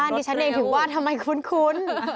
บ้านนี้ฉันเองถึงว่าทำไมคุ้น